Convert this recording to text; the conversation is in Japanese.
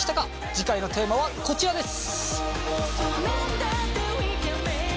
次回のテーマはこちらです。